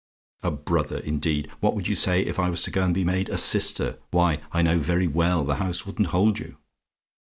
"A 'brother,' indeed! What would you say, if I was to go and be made a 'sister'? Why, I know very well the house wouldn't hold you.